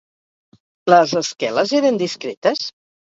Les esqueles eren discretes?